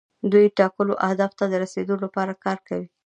دوی ټاکلو اهدافو ته د رسیدو لپاره کار کوي.